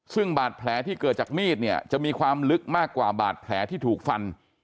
ซึ่งบาดแผลที่เกิดจากมีดเนี่ยจะมีความลึกมากกว่าบาดแผลที่ถูกฟัน